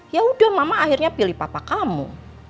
yaudah mama akhirnya pilih papa kamu